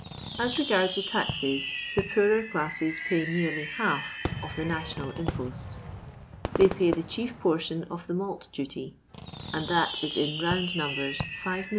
As regards the taxes, the poorer classes pay nearly half of the national imposts : they pay the chief portion of the malt duty, and that is in round nimibers 5,000,000